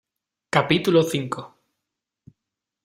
capítulo cinco.